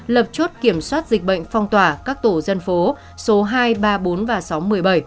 lập chốt kiểm soát dịch bệnh phong tỏa các tổ dân phố số hai ba bốn và xóm một mươi bảy